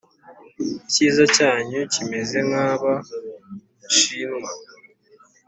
icyiza cyanyu kimeze nkaba shinwa